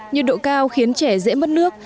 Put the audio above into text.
nhiệt độ cao khiến trẻ dễ mất nước